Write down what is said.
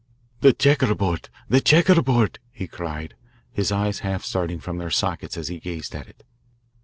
"The checkerboard, the checkerboard!" he cried, his eyes half starting from their sockets as he gazed at it.